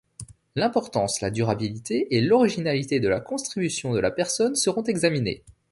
L’importance, la durabilité et l’originalité de la contribution de la personne seront examinées.